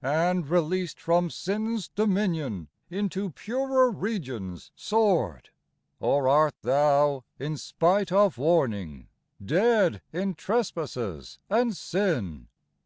And, released from sin's dominion, Into purer regions soared ? Or art thou, in spite of warning, Dead in trespasses and sin